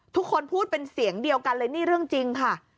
ทุกคนพูดเป็นเสียงเดียวกันเลยนี่เรื่องจริงค่ะ